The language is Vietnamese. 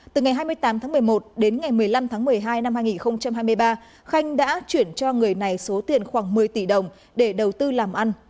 từ ngày hai mươi tám tháng một mươi một đến ngày một mươi năm tháng một mươi hai năm hai nghìn hai mươi ba khanh đã chuyển cho người này số tiền khoảng một mươi tỷ đồng để đầu tư làm ăn